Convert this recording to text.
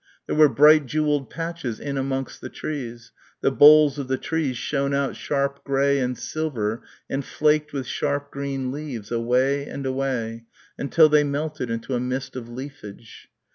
There were bright jewelled patches in amongst the trees; the boles of the trees shone out sharp grey and silver and flaked with sharp green leaves away and away until they melted into a mist of leafage.